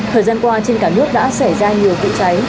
thời gian qua trên cả nước đã xảy ra nhiều vụ cháy